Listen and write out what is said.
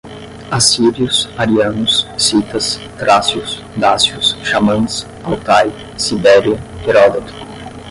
assírios, arianos, citas, trácios, dácios, xamãs, Altai, Sibéria, Heródoto